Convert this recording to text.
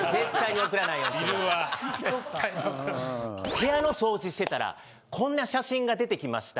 部屋の掃除してたらこんな写真が出てきました